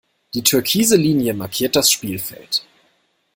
Die türkise Linie markiert das Spielfeld.